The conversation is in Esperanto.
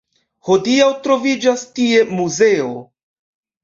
Hodiaŭ troviĝas tie muzeo.